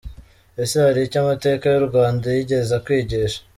Ese haricyo amateka y’u Rwanda yigeze akwigisha?